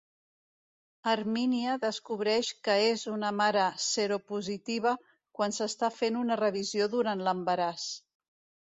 Hermínia descobreix que és una mare seropositiva quan s'està fent una revisió durant l'embaràs.